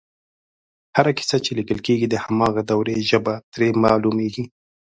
هره کیسه چې لیکل کېږي د هماغې دورې ژبه ترې معلومېږي